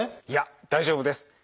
いや大丈夫です。